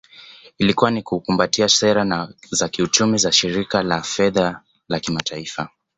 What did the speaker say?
Ilikuwa ni kukumbatia sera za kiuchumi za Shirika la Fedha la Kimataifa